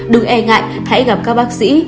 đừng e ngại hãy gặp các bác sĩ